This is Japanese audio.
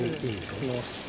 行きます。